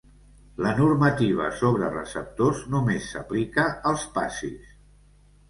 La normativa sobre receptors només s'aplica als passis.